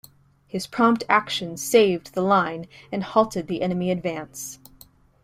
His prompt action saved the line and halted the enemy advance.